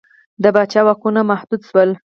د پاچا واکونه محدود شول.